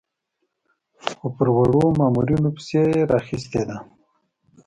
خو پر وړو مامورینو پسې یې راخیستې ده.